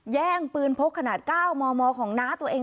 แย่งปืนพกขนาด๙มมของน้าตัวเอง